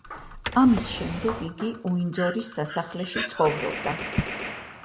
ამის შემდეგ იგი უინძორის სასახლეში ცხოვრობდა.